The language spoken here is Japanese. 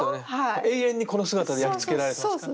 永遠にこの姿で焼き付けられてますから。